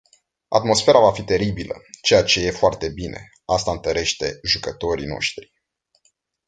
Atmosfera va fi teribilă, ceea ce e foarte bine, asta întărește jucătorii noștri.